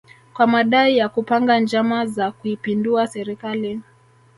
kwa madai ya kupanga njama za kuipindua serikali